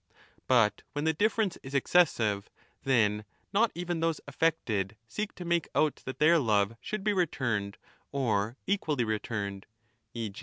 But when the difference is excessive, then not even those affected seek to make out that their love should be returned or equally returned, e.